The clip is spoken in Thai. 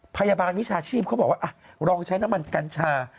พยาบาลวิชาชีพเขาบอกว่าลองใช้น้ำมันกัญชา